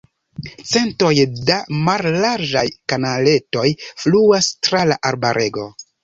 Centoj da mallarĝaj kanaletoj fluas tra la arbarego.